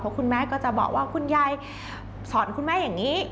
คุณแม่ก็จะบอกว่าคุณยายสอนคุณแม่อย่างนี้